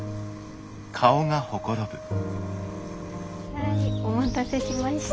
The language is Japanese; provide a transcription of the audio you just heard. はいお待たせしました。